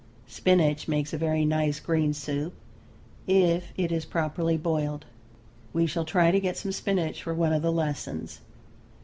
Spinach makes a very nice green soup if it is properly boiled. We shall try to get some spinach for one of the lessons.